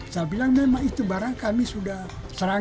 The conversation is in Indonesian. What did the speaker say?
saya bilang memang itu barang kami sudah serang